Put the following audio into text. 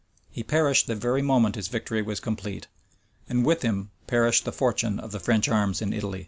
He perished the very moment his victory was complete; and with him perished the fortune of the French arms in Italy.